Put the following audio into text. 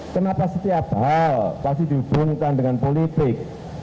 kenapa setiap hal pasti dihubungkan dengan politik